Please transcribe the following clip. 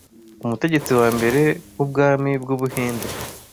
umutegetsi wambere wubwami bwu Buhinde